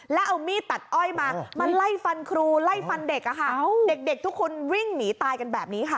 แล้วเอามีดตัดอ้อยมามาไล่ฟันครูไล่ฟันเด็กอะค่ะเด็กทุกคนวิ่งหนีตายกันแบบนี้ค่ะ